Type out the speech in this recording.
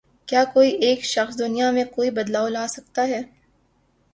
کیا کوئی ایک شخص دنیا میں کوئی بدلاؤ لا سکتا ہے